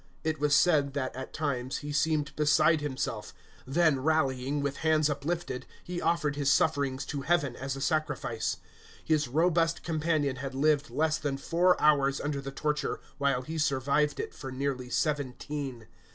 It was said, that, at times, he seemed beside himself; then, rallying, with hands uplifted, he offered his sufferings to Heaven as a sacrifice. His robust companion had lived less than four hours under the torture, while he survived it for nearly seventeen.